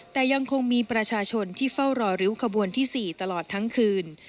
แต่ยังคงมีประชาชนที่เฝ้ารอริ้วขบวนที่๔ตลอดทั้งคืน